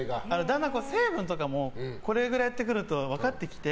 成分とかもこれぐらいやってくると分かってきて。